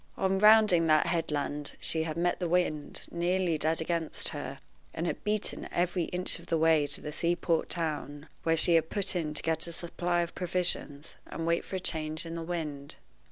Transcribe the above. On rounding that headland she had met the wind nearly dead against her, and had beaten every inch of the way to the sea port town, where she had put in to get a supply of provisions, and to wait for a change in the wind.